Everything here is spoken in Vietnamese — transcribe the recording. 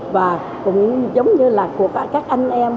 và cũng giống như là của các anh em